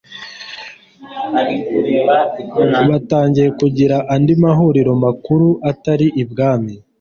batangiye kugira andi mahuriro makuru atari ibwami